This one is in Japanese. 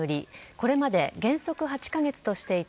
これまで、原則８カ月としていた